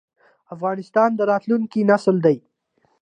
افغانستان د راتلونکي نسل دی؟